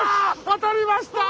当たりました！